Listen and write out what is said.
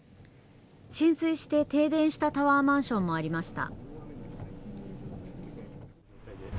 浸水して停電したタワーマンションもありました。